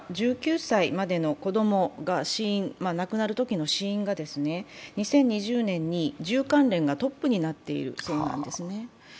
１９歳までの子供が亡くなる死因が２０２０年に銃関連がトップになっているそうなんですね。